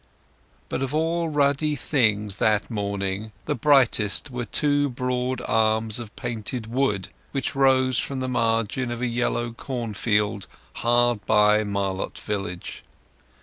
But of all ruddy things that morning the brightest were two broad arms of painted wood, which rose from the margin of yellow cornfield hard by Marlott village.